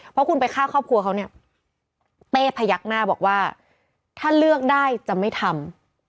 เพราะคุณไปฆ่าครอบครัวเขาเนี่ยเต้พยักหน้าบอกว่าถ้าเลือกได้จะไม่ทำ